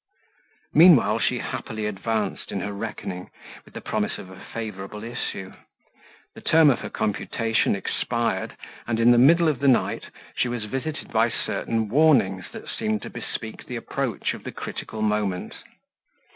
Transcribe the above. Meanwhile she happily advanced in her reckoning, with the promise of a favourable issue: the term of her computation expired, and in the middle of the night she was visited by certain warnings that seemed to bespeak the approach of the critical moment.